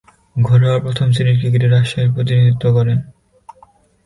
ঘরোয়া প্রথম-শ্রেণীর ক্রিকেটে রাজশাহীর প্রতিনিধিত্ব করেন।